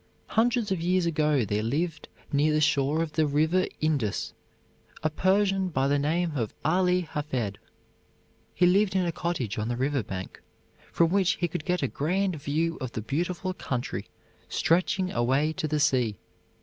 Hundreds of years ago there lived near the shore of the river Indus a Persian by the name of Ali Hafed. He lived in a cottage on the river bank, from which he could get a grand view of the beautiful country stretching away to the sea.